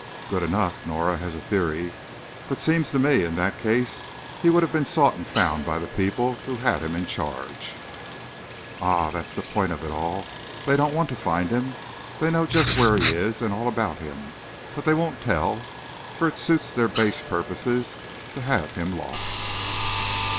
"Good enough, Norah, as a theory. But seems to me, in that case, he would have been sought and found by the people who had him in charge." "Ah, that's the point of it all! They don't want to find him! They know just where he is, and all about him, but they won't tell, for it suits their base purposes to have him lost!"